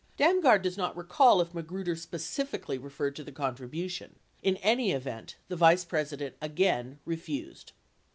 Damgard does not recall if Magruder specifically referred to the contribution. In any event, the Vice President again refused.